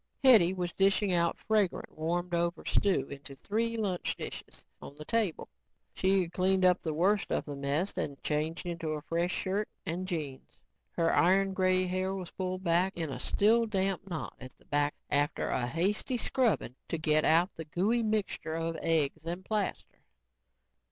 Hetty was dishing out fragrant, warmed over stew into three lunch dishes on the table. She had cleaned up the worst of the mess and changed into a fresh shirt and jeans. Her iron gray hair was pulled back in a still damp knot at the back after a hasty scrubbing to get out the gooey mixture of eggs and plaster.